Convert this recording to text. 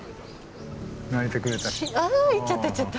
鳴いてくれた。